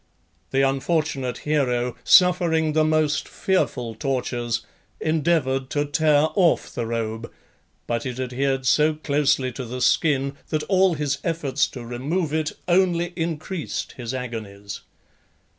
The unfortunate hero, suffering the most fearful tortures, endeavoured to tear off the robe, but it adhered so closely to the skin that all his efforts to remove it only increased his agonies.